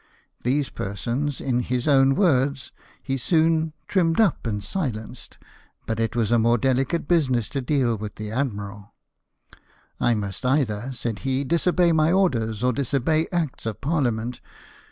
These persons, in his own 38 LIFK OF NELSON. words, he soon " trimmed up and silenced ;" but it was a more delicate business to deal with the admiral. " I must either/' said he, " disobey my orders or dis obey Acts of Parliament.